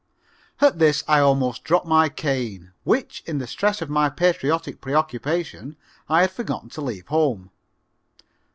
At this I almost dropped my cane, which in the stress of my patriotic preoccupation I had forgotten to leave home.